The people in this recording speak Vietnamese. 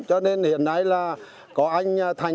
cho nên hiện nay là có anh thành